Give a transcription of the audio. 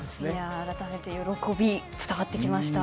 改めて喜びが伝わってきました。